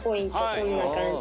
こんな感じ。